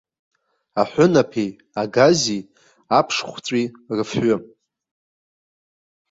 Аҳәынаԥи, агази, аԥшхәҵәи рыфҩы.